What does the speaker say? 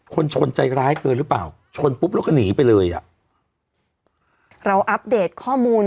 ชนใจร้ายเกินหรือเปล่าชนปุ๊บแล้วก็หนีไปเลยอ่ะเราอัปเดตข้อมูล